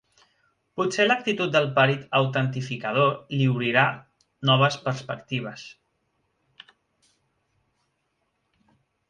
Potser l'actitud del perit autentificador li obrirà noves perspectives.